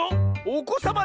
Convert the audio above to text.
⁉おこさま